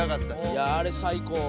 いやあれ最高。